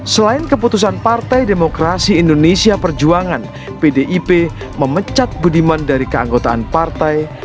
selain keputusan partai demokrasi indonesia perjuangan pdip memecat budiman dari keanggotaan partai